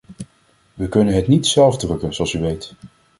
We kunnen het niet zelf drukken, zoals u weet.